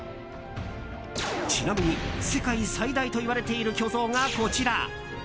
ちなみに、世界最大といわれている巨像がこちら。